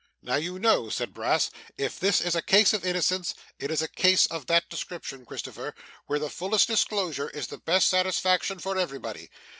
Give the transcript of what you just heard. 'Now, you know,' said Brass, 'if this is a case of innocence, it is a case of that description, Christopher, where the fullest disclosure is the best satisfaction for everybody.